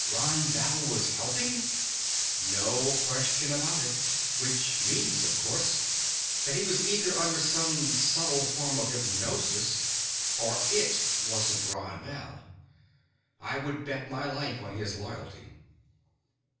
"Ron Val was helping?" "No question about it. Which means, of course, that he was either under some subtle form of hypnosis, or it wasn't Ron Val. I would bet my life on his loyalty."